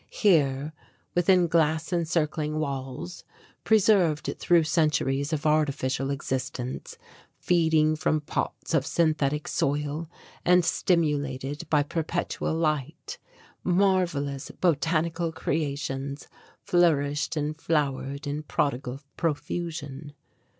Here within glass encircling walls, preserved through centuries of artificial existence, feeding from pots of synthetic soil and stimulated by perpetual light, marvellous botanical creations flourished and flowered in prodigal profusion.